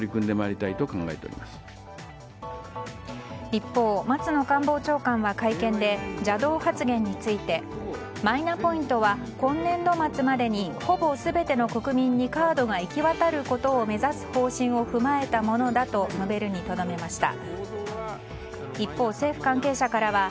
一方、松野官房長官は会見で邪道発言についてマイナポイントは今年度末までにほぼ全ての国民にカードが行き渡ることを目指す方針を踏まえたものだと述べるにとどめました。